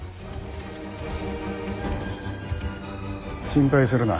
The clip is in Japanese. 心配するな。